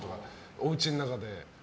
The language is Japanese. おうちの中で。